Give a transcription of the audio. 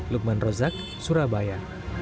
lukman rozak surabaya